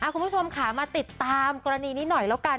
คุณผู้ชมค่ะมาติดตามกรณีนี้หน่อยแล้วกัน